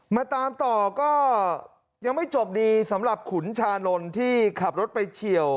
มาตามต่อก็ยังไม่จบดีสำหรับขุนชานนท์ที่ขับรถไปเฉียว